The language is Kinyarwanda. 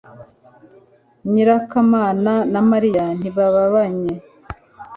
nyirakamana na Mariya ntibabanye